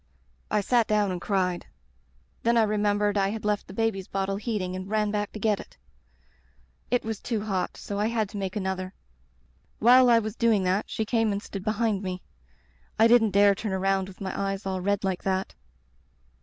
"I sat down and cried. Then I remem bered I had left the baby's bottle heating and ran back to get it. It was too hot so I had to make another. While I was doing that she came and stood behind me. I didn't Digitized by LjOOQ IC The Rubber Stamp dare turn around with my eyes all red like that.